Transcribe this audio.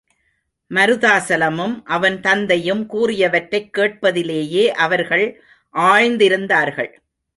மருதாசலமும், அவன் தந்தையும் கூறியவற்றைக் கேட்பதிலேயே அவர்கள் ஆழ்ந்திருந்தார்கள்.